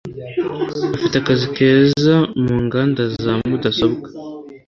afite akazi keza munganda za mudasobwa.